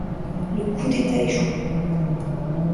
Le coup d'État échoue.